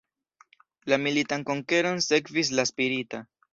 La militan konkeron sekvis la spirita.